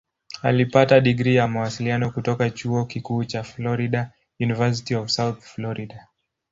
Alipata digrii ya Mawasiliano kutoka Chuo Kikuu cha Florida "University of South Florida".